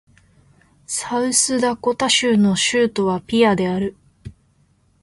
サウスダコタ州の州都はピアである